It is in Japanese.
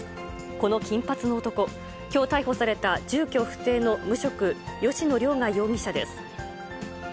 この金髪の男、きょう逮捕された住居不定の無職、吉野凌雅容疑者です。